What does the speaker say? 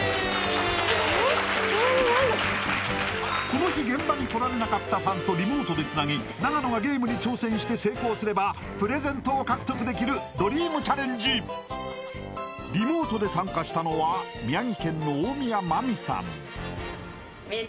この日現場に来られなかったファンとリモートでつなぎ永野がゲームに挑戦して成功すればプレゼントを獲得できるドリームチャレンジリモートで参加したのははい